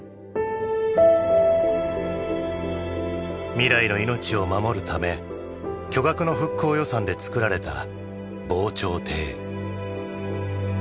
未来の命を守るため巨額の復興予算で造られた防潮堤。